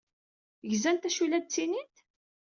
Gzant d acu ay la d-ttinint?